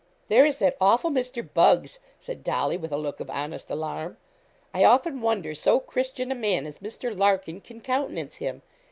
'There is that awful Mr. Buggs,' said Dolly, with a look of honest alarm. 'I often wonder so Christian a man as Mr. Larkin can countenance him.